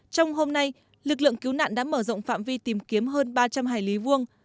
trong hôm nay lực lượng cứu nạn đã mở rộng phạm vi tìm kiếm hơn ba trăm linh hải lý vuông